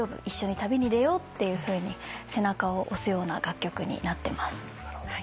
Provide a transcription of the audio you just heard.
一緒に旅に出ようっていうふうに背中を押すような楽曲になってます。